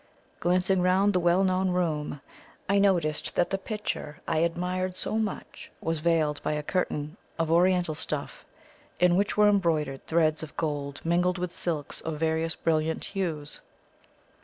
Glancing round the well known room, I noticed that the picture I admired so much was veiled by a curtain of Oriental stuff, in which were embroidered threads of gold mingled with silks of various brilliant hues.